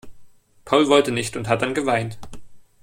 Paul wollte nicht und hat dann geweint.